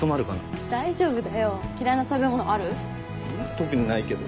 特にないけど。